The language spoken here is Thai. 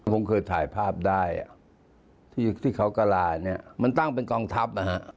ผมเคยถ่ายภาพได้ที่เขากระลาดมันตั้งเป็นกองทัพ